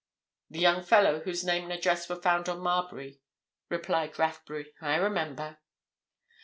"The young fellow whose name and address were found on Marbury," replied Rathbury. "I remember."